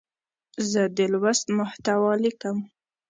زه د لوست محتوا لیکم.